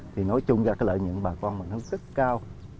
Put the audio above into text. thì nói chung ra lợi nhuận bà con mình rất cao